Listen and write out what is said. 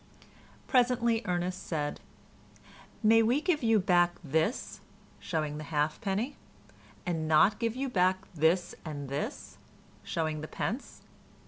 Presently Ernest said, "May we give you back this" (showing the halfpenny) "and not give you back this and this?" (showing the pence).